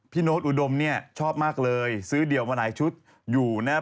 โน๊ตอุดมเนี่ยชอบมากเลยซื้อเดี่ยวมาหลายชุดอยู่นะครับ